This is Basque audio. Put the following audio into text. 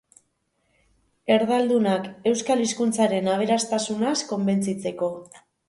Erdaldunak euskal hizkuntzaren aberastasunaz konbenzitzeko.